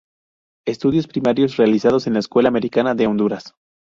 Estudios primarios realizados en la Escuela Americana de Honduras.